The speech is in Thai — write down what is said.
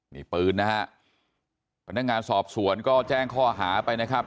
นี่ปืนนะฮะพนักงานสอบสวนก็แจ้งข้อหาไปนะครับ